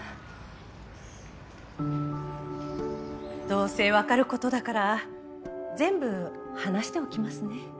どうせわかる事だから全部話しておきますね。